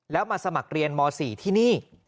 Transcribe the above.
แล้วมาสมัครเรียนม๔ที่นี่